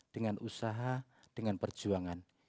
dengan usaha dengan perjuangan